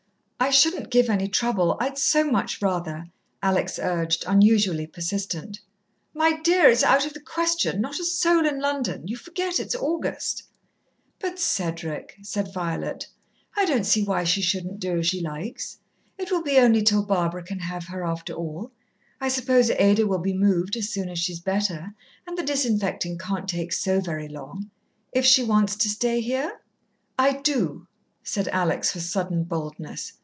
"I shouldn't give any trouble I'd so much rather," Alex urged, unusually persistent. "My dear, it's out of the question. Not a soul in London you forget it's August." "But, Cedric," said Violet, "I don't see why she shouldn't do as she likes. It will be only till Barbara can have her, after all I suppose Ada will be moved as soon as she's better, and the disinfecting can't take so very long. If she wants to stay here?" "I do," said Alex, with sudden boldness.